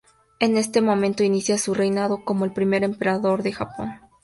En este momento inicia su reinado como el primer emperador de Japón.